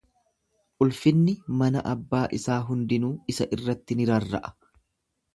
Ulfinni mana abbaa isaa hundinuu isa irratti ni rarra'a.